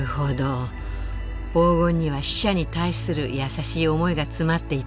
黄金には死者に対する優しい思いが詰まっていたのね。